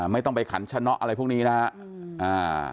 ไม่ต้องไปขันชะเนาะอะไรพวกนี้นะครับ